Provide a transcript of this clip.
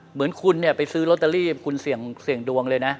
เหมือนคุณเนี่ยไปซื้อลอตเตอรี่คุณเสี่ยงดวงเลยนะ